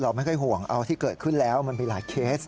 ไม่ค่อยห่วงเอาที่เกิดขึ้นแล้วมันมีหลายเคส